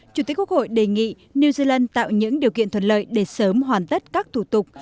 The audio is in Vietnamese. chủ tịch quốc hội đề nghị new zealand tạo những điều kiện thuận lợi để sớm hoàn tất các thủ tục